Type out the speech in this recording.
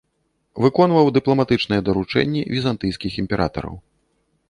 Выконваў дыпламатычныя даручэнні візантыйскіх імператараў.